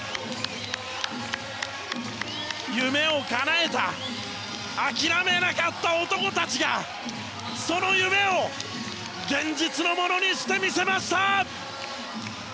夢をかなえた諦めなかった男たちがその夢を現実のものにしてみせました！